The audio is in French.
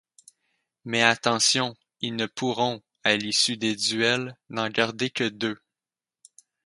Mais attention, ils ne pourront, à l'issue des Duels n'en garder que deux.